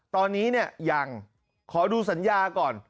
ตอนนี้เนี่ยยังขอดูสัญญาก่อน